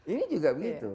ini juga begitu